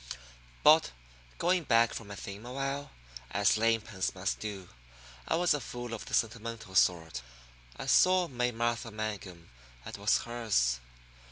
But, going back from my theme a while as lame pens must do I was a fool of the sentimental sort. I saw May Martha Mangum, and was hers.